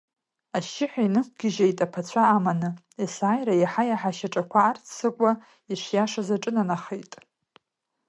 Ашьшьыҳәа инықәгьежьит, аԥацәа аманы, есааира иаҳа-иаҳа ашьаҿақәа арццакуа, ишиашаз аҿынанахеит.